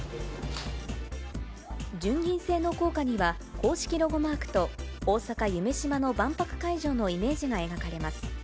純銀製の硬貨には、公式ロゴマークと、大阪・夢洲の万博会場のイメージが描かれます。